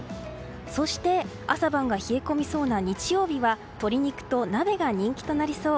そして朝晩が冷え込みそうな日曜日は鶏肉と鍋が人気となりそう。